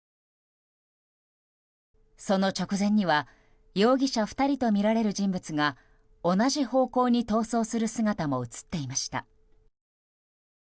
その直前には容疑者２人とみられる人物が同じ方向に逃走する姿も映っていました。